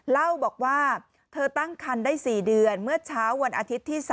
เล่าบอกว่าเธอตั้งคันได้๔เดือนเมื่อเช้าวันอาทิตย์ที่๓